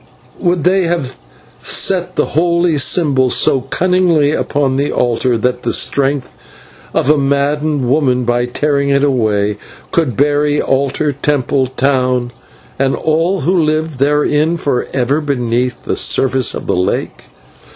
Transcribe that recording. Would they, then, have set the holy symbol so cunningly upon its altar, that the strength of a maddened woman, by tearing it away, could bury altar, temple, town, and all who lived therein, for ever beneath the surface of the lake?